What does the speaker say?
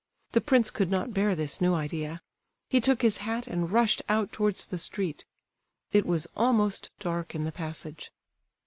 The prince could not bear this new idea; he took his hat and rushed out towards the street. It was almost dark in the passage.